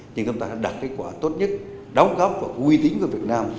nhưng hợp tác đã đạt kết quả tốt nhất đóng góp và uy tín với việt nam